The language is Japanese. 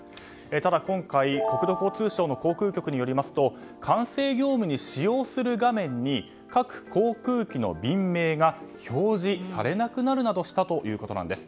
ただ、今回国土交通省の航空局によりますと管制業務に使用する画面に各航空機の便名が表示されなくなるなどしたということなんです。